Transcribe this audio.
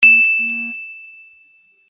Jesuh cu nizaan, nihin, le thaizing aa khat ko.